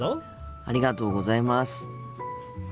ありがとうございます。